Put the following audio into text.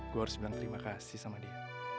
gue harus bilang terima kasih sama dia